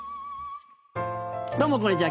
どうもこんにちは。